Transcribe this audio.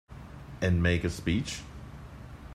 And make a speech?